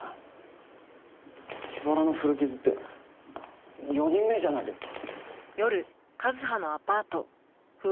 脇腹の古傷って４人目じゃないですか。